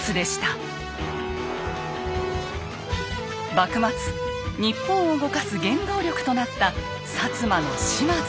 幕末日本を動かす原動力となった摩の島津。